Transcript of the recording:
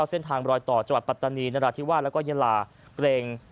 เส้นทางรอยต่อจังหวัดปัตตานีนราธิวาสแล้วก็ยาลาเกร็ง